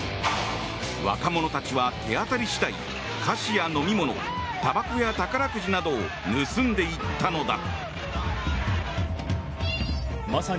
若者たちは手当たり次第菓子や飲み物たばこや宝くじなどを盗んでいったのだ。